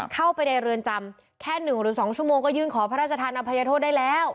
เข้าไปในเรือนจำแค่๑หรือ๒ชั่วโมงก็ยื่นขอพระราชทานอภัยโทษได้แล้ว